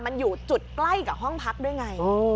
มันอยู่จุดใกล้กับห้องพักด้วยไง